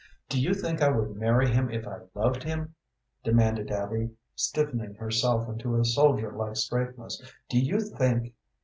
"Do you think I would marry him if I loved him?" demanded Abby, stiffening herself into a soldier like straightness. "Do you think?